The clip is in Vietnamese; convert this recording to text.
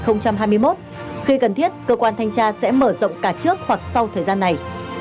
khi cần thiết cơ quan thanh tra sẽ mở rộng cả trước hoặc sau thời gian này